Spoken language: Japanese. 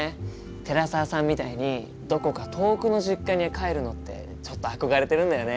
寺澤さんみたいにどこか遠くの実家に帰るのってちょっと憧れてるんだよね。